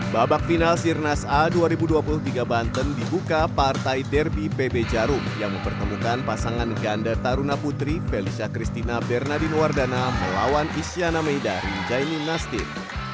babak final sirnas a dua ribu dua puluh tiga banten dibuka partai derby pb jarum yang mempertemukan pasangan ganda taruna putri felicia christina bernardin wardana melawan isyana meida rinjaini nastiq